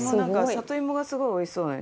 里芋が、すごいおいしそうなの。